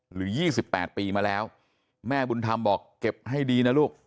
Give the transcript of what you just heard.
หรือ๒๘ปีมาแล้วแม่บุญธรรมบอกเก็บให้ดีนะลูก